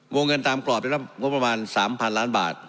วงเงินตามกรอบได้รับงบประมาณ๓๐๐๐ล้านบาท